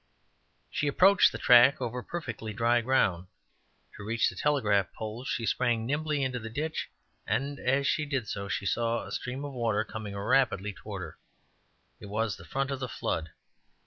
She approached the track over perfectly dry ground. To reach the telegraph poles, she sprang nimbly into the ditch; and as she did so, she saw a stream of water coming rapidly toward her it was the front of the flood.